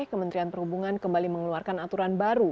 kementerian perhubungan kembali mengeluarkan aturan baru